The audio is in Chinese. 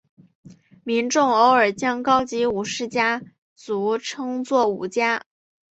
民众偶尔将高级武士家族称作武家。